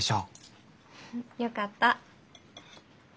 よかった。